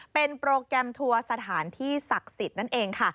เป็นโปรแกรมทัวร์สถานที่ศักดิ์สิทธิ์นั่นเองค่ะ